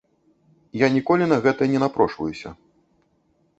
Я ніколі на гэта не напрошваюся.